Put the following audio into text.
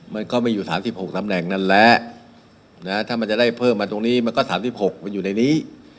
มันก็มีอยู่๓๖ตำแหน่งนั่นแหละถ้ามันจะได้เพิ่มมาตรงนี้มันก็๓๖มันอยู่ในนี้